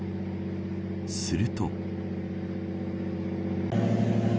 すると。